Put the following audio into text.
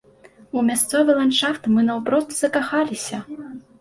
У мясцовы ландшафт мы наўпрост закахаліся.